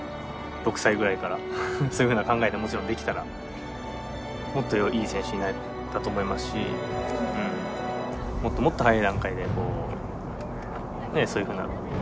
６歳ぐらいからそういうふうな考えでもちろんできたらもっといい選手になれたと思いますしもっともっと早い段階でそういうふうなことを考えながらできたらよかったのかなと。